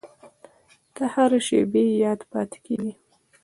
• ته د هر شېبې یاد پاتې کېږې.